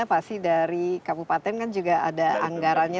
pasti dari kabupaten kan juga ada anggarannya